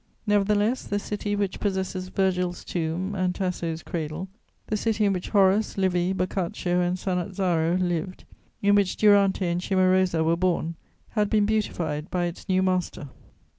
Nevertheless, the city which possesses Virgil's tomb and Tasso's cradle, the city in which Horace, Livy, Boccaccio and Sannazaro lived, in which Durante and Cimarosa were born, had been beautified by its new master.